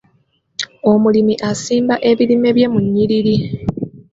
Omulimi asimba ebirime bye mu nnyiriri.